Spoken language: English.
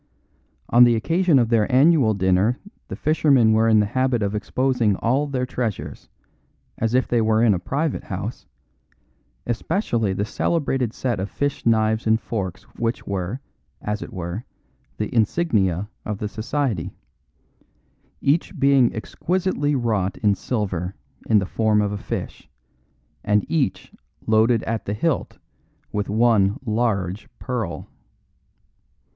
On the occasion of their annual dinner the Fishermen were in the habit of exposing all their treasures, as if they were in a private house, especially the celebrated set of fish knives and forks which were, as it were, the insignia of the society, each being exquisitely wrought in silver in the form of a fish, and each loaded at the hilt with one large pearl.